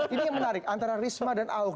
ini yang menarik antara risma dan ahok